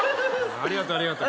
ありがとうありがとう。